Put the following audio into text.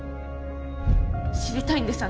知りたいんです。